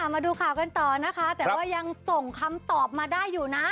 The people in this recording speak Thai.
มาดูข่าวกันต่อนะคะแต่ว่ายังส่งคำตอบมาได้อยู่นะ